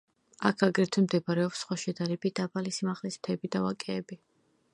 აქ აგრეთვე მდებარეობს სხვა შედარებით დაბალი სიმაღლის მთები და ვაკეები.